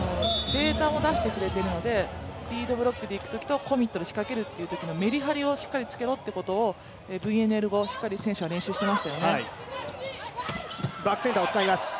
データも出してくれてきているので、リードブロックでいくときと、コミットで仕掛けるときのメリハリをつけるということを、ＶＮＬ後、しっかり練習していましたよね。